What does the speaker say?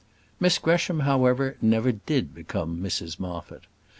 Miss Gresham, however, never did become Mrs Moffat.